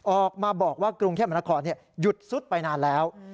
ออกมาบอกว่ากรุงเทพมหานครหยุดซุดไปนานแล้ว